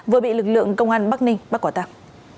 vừa bị lực lượng công an bắc ninh bắt quả tạp